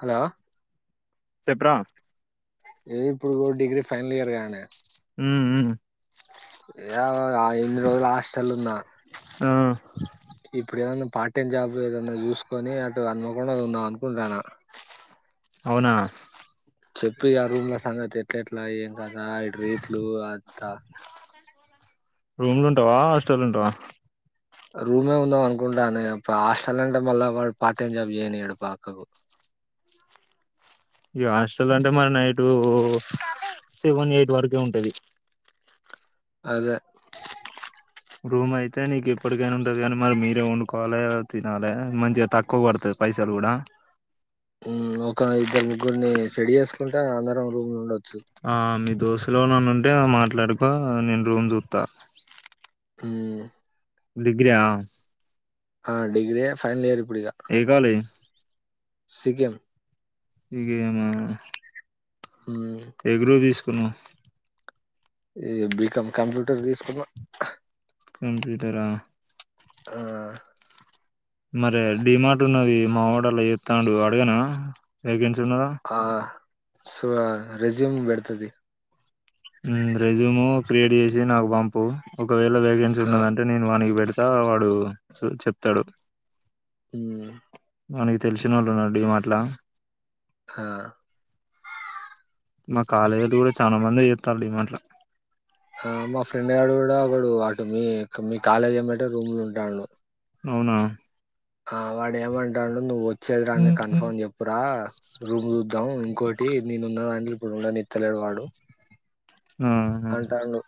Hello చెప్పురా ఏ ఇప్పుడు కూడా డిగ్రీ ఫైనల్ ఇయర్ గానే హ్ హ్ [unintelligible] ఇన్ని రోజులు హాస్టళ్ల ఉన్నా ఆ ఇప్పుడు ఏదన్నా పార్ట్ టైం జాబ్ ఏదన్నా చూసుకొని అటు హనుమకొండల ఉందం అనుకుంటాన్నా అవునా చెప్పిగా రూమ్లా సంగతీ ఏట్లా ఏం కదా ఇటు రూట్లు అంతా రూమ్ల ఉంటావా హాస్టల్ల ఉంటావా రూమ్లో ఉందం అనుకుంటాన్న ఇగ హాస్టల్ల అంటే మళ్ళా వాడు పార్ట్ టైమ్ జాబ్ చేయనియడు పక్కకు ఈ హాస్టల్ అంటే మరి నైటు సెవెన్ ఎయిట్ వరకే ఉంటది. అదే రూమ్ అయితే నీకు ఇప్పటికైనా ఉంటది. కానీ మరి మీరే వండుకోవాలి. తినాలి మంచిగా తక్కువ పడతది. పైసలు కూడా హ్ ఒక్క ఇద్దరు ముగ్గురిని సెడ్ చేసుకుంటే అందరం రూమ్ లో ఉండ ఆ మీ దోస్తులు ఎవరన్న ఉంటే మాట్లాడుకో నేను రూమ్ చూత్త హ్ డిగ్రా ఆ డిగ్రే ఫైనల్ ఇయర్ ఇప్పుడు ఇక ఏ కాలేజ్ సికేం ఇగే మా ఎ గ్రూప్ తీస్ కున్నావ్ ఇగ బి కమ్ కంప్యూటర్ తీసుకున్నా కంప్యూటరా ఆ మరే డిమార్ట్ ఉన్నది మావోడల్ల చెత్తండు అడగన వికేన్సీ ఆ సో ఆ రెజ్యూమ్ పెడతతి రెజ్యూమ్ క్రియేట్ చేసి నాకు పంపు ఒకవేళ వెకేక్సి ఆ ఉన్నదంటే నేను వానికి పెడ్ త వాడు చెప్తాడు హు మనకి తెలిసినోళ్ళు ఉన్నడు డి మార్ట్ లా హా మా కాలేజొల్లు కూడా చానా మంది చే త్తరూ డీ మార్ట్ లా ఆ మా ఫ్రెండ్ గాడు కూడా ఒకడు ఆటు మీ మీ కాలేజ్ ఏమ్మటే రూమ్ లో ఉం డాను అవునా ఆ వాడేమంటాండు నువ్వో చేది రాంది కన్ఫామ్ చెప్పురా రూమ్ చూద్దాం ఇంకోట్ టి నేనున్నానని చెప్పి రూమ్ కానీ ఇత్తలేడు వాడు ఆ అంటాండు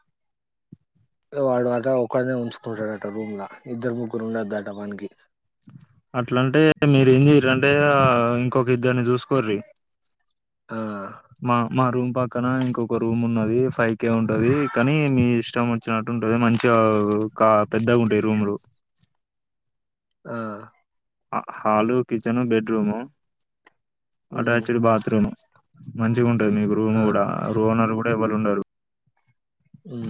వాడు అట ఒకడనే ఉంచుకుంటాడట రూమ్ల ఇద్దరు ముగ్గురు ఉండద్దట వానికి. అట్లంటే మీర ఈర్ అంటె ఆ ఇంకోగిద్దరిని చూస్కోర్రి ఆ మా మా రూమ్ పక్కన ఇంకొక రూమ్ ఉన్నది ఫైవ్ కె ఉంటది కానీ మీ ఇష్టం వచ్చినట్టు ఉంటది మంచ్ చ క పెద్దగ ఉంటాయి రూమ్లు ఆ హాలు కిచెను బెడ్రూము హ్మ్ అటాచ్డ్ బాత్రూమ్ మంచిగ ఉంటది మీకు రూమ్ ఆ కూడ రోనర్ కూడ ఎవ్వరు ఉండరు ఉం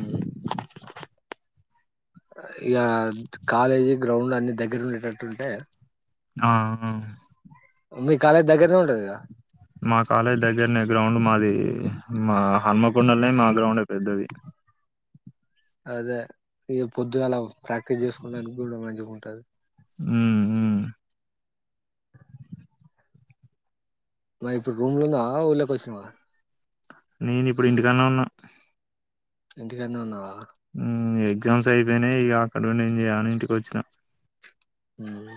ఇగ కాలేజీ గ్రౌండ్ అన్ని దగ్గర ఉండేటట్టుంటె ఆ ఆహ్ మీ కాలేజ్ దగ్గరనే ఉంటది మా కాలేజ్ దగ్గరనె గ్రౌండ్ మాది మా హన్మకొండల్నే మా గ్రౌండ్ ఎ పెద్దది అదే ఇ పొద్దుగాల ప్రాక్టీస్ చేసుకొడానికి కూడ మంచిగుంటది. ఊ ఉ మ ఇప్పుడు రూమ్ల ఉన్నవా ఊర్లోకి వచ్చినవా నేను ఇప్పుడు ఇంటికాడ్నే ఉన్న ఇంటికాడ్నే ఉన్నావ హుం ఎగ్జామ్స్ అయిపోయినాయి ఇగ అక్కడ ఉండి ఏం చేయాలని ఇంటికి వచ్చిన ము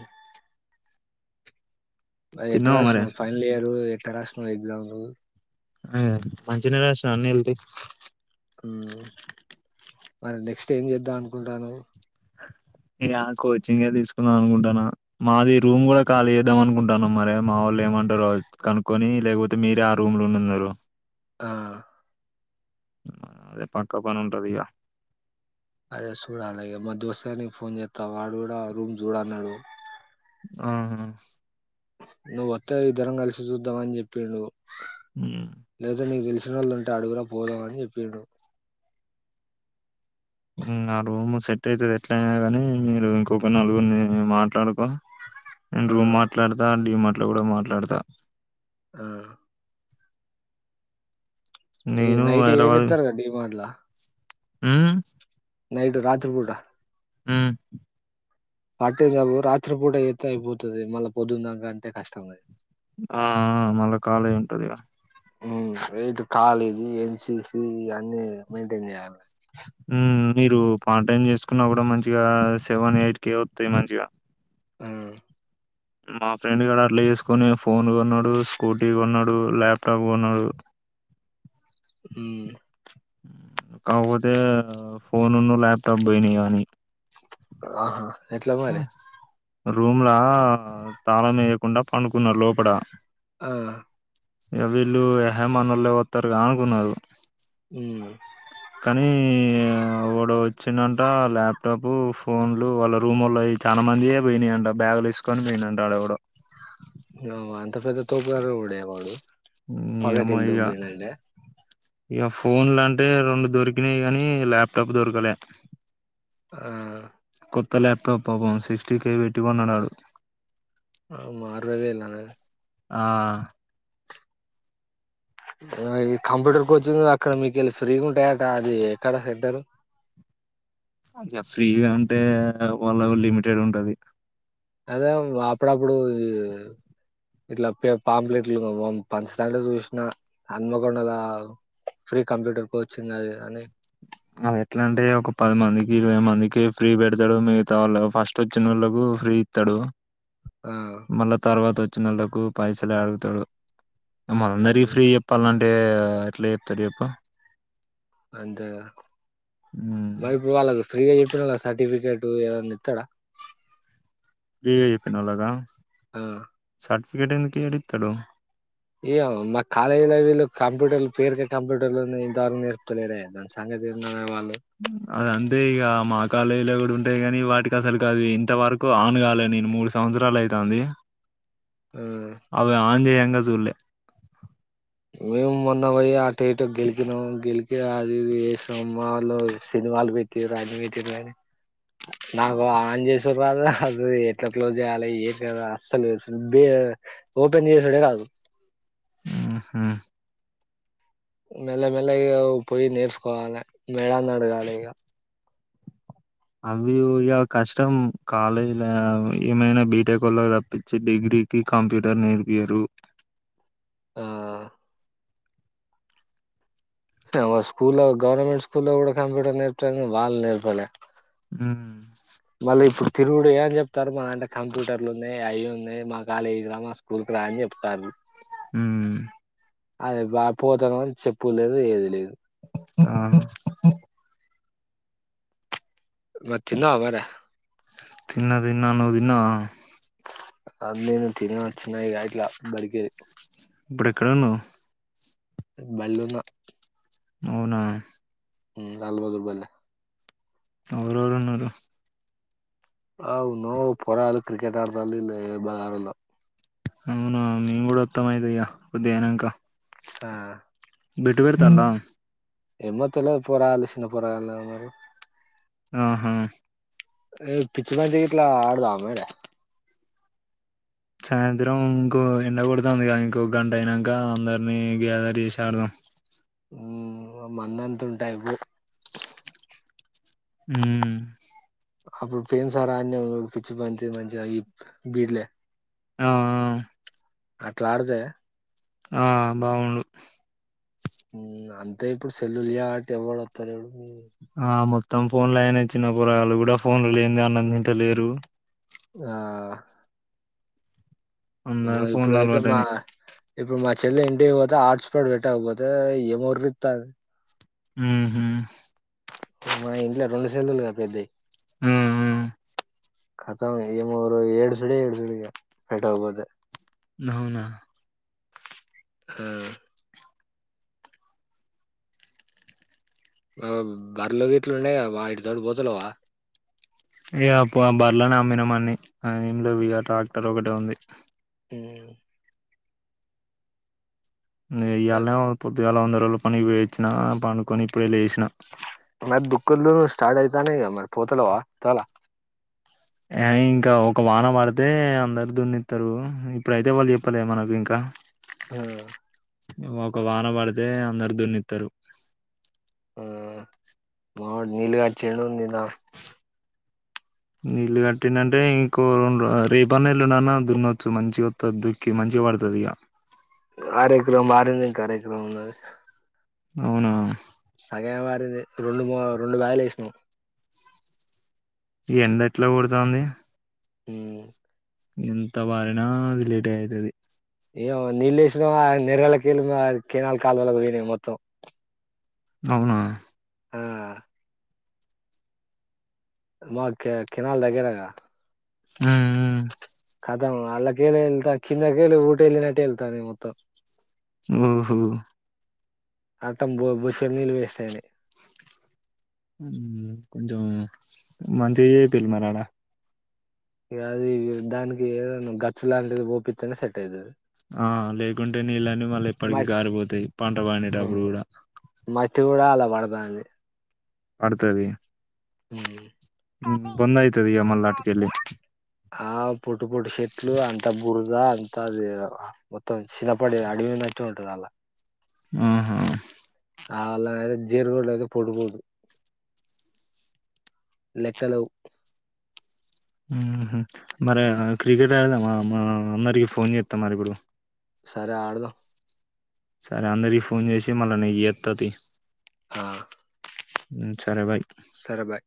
అది ఎట్ల తిన్నావా మరి రాసినావ్ ఫైనల్ ఇయరు ఎక్ ఎట్ట రాసినావ్ ఎగ్జామ్ లు ఆ మంచిగ రాసిన అన్ని ఎల్తయ్ మరి నెక్స్ట్ ఏం చేద్దాం అనుకుంటానవ్ ఇగ కోచింగే తీసుకుందాం అనుకుంటాన. మాది రూమ్ కూడ ఖాళీ చేద్దాం అనుకుంటానం. మరి మా వాళ్ళు ఏమంటరో కనుక్కొని లేకపోతె మీరే ఆ రూమ్ లొ ఉన్నన్నారు ఆ అదే పక్క పనుంటదిగ అదే చూడాలె ఇగ మా దోస్తాని ఫోన్ చేత్త వాడు కూడ రూమ్ చూడన్నాడు. ఆ నువ్వు వత్తే ఇద్దరం కలిసి చూద్దాం అని చెప్పిండు. ఇక లేదు లేదు ప్రళ్ళుంటె అడుగురా పోదామని చెప్పిండ్రు. నా రూమ్ సెట్ అయితది ఎట్లయిన కానీ మీరు ఇంకొక నలుగురిని మాట్లాడుకొ నేను ఆ రూం మాట్లాడతా డి మాట్ ఇట్ల కూడా మాట్లాడతా ఆ ఈ నేను నైట్ ఏన్ హైదరాబాద్ ఇత్తారగా డి మార్ట్ ల మ్మ్ నైడు రాత్రు పూట మ్మ్ పట్టే జాబు రాత్రి పూట ఏత్తే అయిపోతది మళ్ళా పొద్దుందాక అంటే కష్టం గ ఆ ఆ మళ్ళా కాలేజ్ ఉంటది గ మ్మ్ ఇటు కాలేజీ ఎన్సిసి ఇ అన్నీ మెయింటైన్ చేయాలి మీరు పాన్ టైం చేసుకున్నా కూడా మంచిగా సెవెన్ ఎయిట్ క వతాయి మంచిగా ఆ మా ఫ్రెండ్ గడ అట్లా చేసుకొని ఫోన్ కొన్నాడు స్కూటీ కొన్నాడు ల్యాప్టాప్ కొన్నాడు మ్మ్ కాకపోతే ఫోనును ల్యాప్టాప్ పోయినాయి ఆనివి ఆహా ఎట్లా మరి రూమ్లా తాళం వేయకుండా పండుకున్నారు లోపట ఆ ఇ వీళ్ళు ఏహే మనల్లో వత్తారుగా అనుకున్నారు మ్మ్ కానీ వాడు వచ్చిందంట ల్యాప్టాప్ ఫోన్లు వాళ్ళ రూమ్ వాల్ల చాలా మంది పోయినాయంట బ్యాగులు వేసుకొని పోయినంట ఆడెవడొ అ అంత పెద్ద తోపు గాడు ఎవడయ్య వాడు నియమ్మ పగటిలు ఇగా దొబ్బిండంటే ఇగ ఫోన్ లంటే రెండు దొరికినాయి కానీ ల్యాప్టాప్ దొరకలే ఆ కొత్త ల్యాప్టాప్ పాపం సిక్స్టీ కే పెట్టి కొన్నాడాడు ఆ మారవే ఇలానే ఆ ఇ ఈ కంప్యూటర్ కోచింగ్ అక్కడ మీకెళ్ళి ఫ్రీగుంటాయట అది ఎక్కడ హెడ్డరు అ ఫ్రీగా అంటే వాళ్ళ లిమిటెడ్ ఉంటది అదే అప్పుడప్పుడు ఇట్లా పే పాంప్లెట్లు పంచతాంటే చూసిన హన్మకొండ ల ఫ్రీ కంప్యూటర్ కోచింగ్ అది అని అ ఎట్లాంటే ఒక పది మందికి ఇరవై మందికి ఫ్రీ పెడతాడు మిగతా వాళ్ళ ఫస్ట్ వచ్చిన వాళ్ళలకు ఫ్రీ ఇత్తడు ఆ మళ తర్వాత వొచ్ వొచ్చినల్లకు పైసలే అడుగుతడు. మల్లందరికీ ఉమ్ ఫ్రీ చెప్పాలంటే టే ఎట్ల చెప్తడు చెప్పు అంతే గా మ్మ్. బరి ఇప్పుడు వాళ్ళకి ఫ్రీగా చెప్తున్నారు వాళ్ సర్టిఫికెట్ టు ఏదనిత్తాడా ఫ్రీ గా చెప్పినోళ్ళక ఆ సర్టిఫికేట్ ఎందుకు ఇయ్యారు ఇత్తరు ఏయ్య మా కాలజ్ల వీళ్ళు కంప్యూటర్ల పేర్క కంప్యూటర్ రు ఎంతవరకు నేర్పుతాలేరాయే దాని సంగతి ఏందో అద అంతే ఈకగా మా కాలేజ్ లా కూడా ఉంటాయి కాని వాటికి అసలుకు అవి ఇంత వరకు ఆన్గాాలే నేను మూడు సంవత్సరాలు అయితంది ఆ అవిే ఆన్ చేయం గజూల్లె మేము మొన్న పోయి ఆటు ఇటు గెలికిినం గెలికి అది ఏ సినిమాలో సినిమాలు పెట్టటిారు అవి పెట్టారు కాని నాకొ ఆన్ చెస్ దు అసలు ఎట్లా క్లోజ్ చేయ్యాలి ఎం కథ అస్సలు ఓపెన్ చేసుడే రాదు ఉహు మెల్ల మెల్లగా ఇగ పోయి నేర్చుకోవాలే మేడన్ని అడుగలే ఇగ అవి ఇగా కష్టం కాలేజీ ఏమైనా బీటెక్ వాళ్లకు తప్పించి డిగ్రీకి కంప్యూటర్ నేర్పయారు ఆ వా స్కూల్ గవర్నమెంట్ స్కూల్లో లో కూడా కంప్యూటర్ నేర్పుతా అని వాళ్ళు నేర్పలే ఉ మళ్ళీ ఎప్పుడు తిరుగుడు ఏమన్ ప్తారు మా అంటే కంప్యూటర్లు ఉన్నాయి అవి ఉన్నాయి మా కాలేజీ రా మా స్కూల్ కి రా అని చెప్తారు హ అదే బా పోతానో చెప్పుడు లేదు ఏది లేదు ఆ మరి తిన్నావా మరి తిన్న తిన్నా నువ్వు తిన్నావా అందును తినే వచ్చిన ఇట్లా బడికేలి ఇప్పుడు ఎక్కడన్నావు బళ్ళే ఉన్నా అవునా అల్బదుర్బల్ల ఎవరెవరున్నరు అవునుో పొరాగాళ్ళు క్రికెట్ ఆడుతల్ ఇల్ ఏ బాధరోల్లో అవునా మేము కూడా ఉొత్తం అయితే ఇగ కొద్దిగా అయినక్కా ఆ బిట్ పెడుతాల్లా ఏమ్మో తెలువదు పోరగాళ్ళు చిన్న పోరగాళ్ళు ఉన్నారు మరి ఆహా ఏ పిచ్చి బంతి గిట్లా ఆడదామా మరి సాయంత్రం ఇంకో ఎండ కొడుతదిగా ఇంకొ గంట అయినాక అందరినీ గ్యాదర్ చేసి ఆడదాం మంద అంత ఉంటే అయిపోవు హ అప్పుడు ప్రేమ్ సారా ఆడినం చూడు పిచ్చి పంచి మంచిగా ఈ బీడ్లే ఆ అట్లా ఆడితే ఆ బావుండు ఉమ్ అంతే ఇప్పుడు సెల్లులియా అంట ఎవడు వస్తాలేరు ఆ మొత్తం ఫోన్లు అయినా చిన్న పోరగాళ్లు కూడా ఫోన్లు లేనిదే అన్నం తింట లేరు ఆ అందరూ అమ్మో, ఫోన్ లో ఇప్పుడైతే మా అలవాటయినాయి ఇప్పుడు మా చెల్లె ఏంట్ ఇంటికి పోతే హాట్స్పాట్ పెట్టకపోతే కా ఏమిఎరిస్తేద్ ఉమ్ హు మా ఇంట్లో రెండు సెల్లు గా పెద్దయి ఉమ్ హు ఖతాం ఏమరు ఏడ్ సుడి ఏడ్ సుడిగా పెట్టకపోతే అవునా ఆ ఆ బర్రెలు గీట్లు ఉండే కదా వా తోడు పోతలేవా ఇక ప బర్లని అమ్మినం అన్ని ఇక ఏమీ లేవు ఇక ట్రాక్టర్ ఒకటిే ఉంది ఉమ్ న మరి ఇ్యళ్నే పొద్దుగాేలా ఉ జుల పని వేచ్చిన పనుకొని ఇప్పుడే లేస్ మ దుఃఖదు స్టార్ట్ యి గా మరి పోతల వా చలా ఆ ఇంకా ఒక వానం వాడితే అందరు దున్నిస్తారు ఇప్పుడైతే వాళ్ళు చెప్పలే మనకు ఇంకా ఉమ్ ఒక వాన పడితే అందరు దున్నిస్తారు ఉమ్మ్ మావోడు నీలుగాచ్చిన్నందదా నీళ్లు కట్టింది అంటే ఇంకో రెండు రేపన్న ఇల్లున్నానా దున్నొచ్చు మంచి వ దుక్కి మంచిగా పడుతుంది ఇక అరకరం పాడింది ఇంకా అరెకరం ఉన్నది అవునా సగైన వారి రెండు మ రెండు వైల్ ఏసి స ఈ ఎండ ఎట్లా కొడతంది ఉమ్ ఎంత బారిన అది లేట్ ఏ అయితది ఏ ఉన్నిలే నేర్వల కలుకనాలు కెనాల్ కాలువలో పోయినాయి మొత్తం అవునా ఆ మాడ్ కనాల్ దగరగా మ్మ్ కదం అలా అేంత కిన్న గెలు ఊటెల్లినట్టే ఎల్తే అది మొత్తం ఉహూ అట్టం బో బొచ్చడి నీళ్ళు వేస్ట్ అయినయి కొంచం మంచిగా చెయ్పియిల్లీ మరి ఆడ ఇగ అది దానికి ఏదైనా గచ్చు లాంటిది పోపి తేనే సెట్ అయితది ఆ లేేకుం టే నీళ్ళన్నీ మళ్ళీ ఎప్పటికిీ మట్ కారిపోతాయి పంట పండేటప్పుడు కూడా మట్టి కూడా అల్ల వడుతంది పడుతది హ బంద్ అయితది ఇగ మల్ల అటుకెల్లి ఆవ్ పొట్టు పొట్టు చెట్లు అంత బురద అది మ్ షినపాటీ అడవి ఉన్నట్టే ఉంటది అల్లా ఆహా అవాళ్లదయితే జేర్గోడ్డు అయితే పోటుపోటు లెక్కలేవు ఉహు మరి ఉమ్, ఆ క్రికెట్ ట్ ఆడుదామా మా ఆ అందరికి ఫోన్జెత్త మరి ఇప్పుడు సరే ఆడుదాం సరే అందరికి ఫోన్ చేసి మళ్ళ నీకు చేత్తతీయి ఆ సరే బై సరే బాయ్